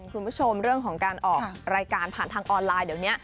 คุณผู้ชมเรื่องของการออกรายการผ่านทางออนไลน์เดี๋ยวนี้